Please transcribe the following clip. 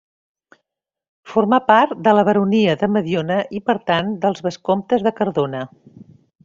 Formà part de la baronia de Mediona i per tant dels vescomtes de Cardona.